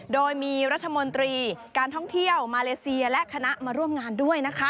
โดยมีรัฐมนตรีการท่องเที่ยวมาเลเซียและคณะมาร่วมงานด้วยนะคะ